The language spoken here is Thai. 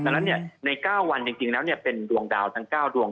ดังนั้นใน๙วันจริงแล้วเป็นดวงดาวทั้ง๙ดวง